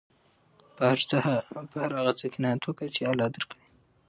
په هر هغه څه قناعت وکه، چي الله درکړي يي.